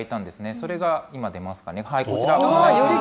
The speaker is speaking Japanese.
それが今出ますかね、こちら。